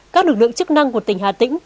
các lực lượng chức năng của tỉnh hà tĩnh